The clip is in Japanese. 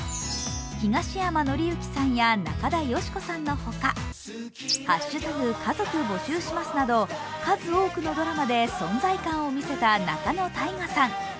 東山紀之さんや中田喜子さんのほか「＃家族募集します」など数多くのドラマで存在感を見せた仲野太賀さん。